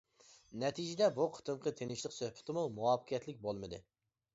نەتىجىدە بۇ قېتىمقى تىنچلىق سۆھبىتىمۇ مۇۋەپپەقىيەتلىك بولمىدى.